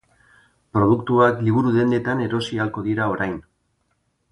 Produktuak liburu dendetan erosi ahalko dira orain.